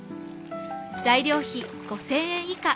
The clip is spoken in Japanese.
材料費５０００円以下。